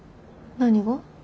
何が？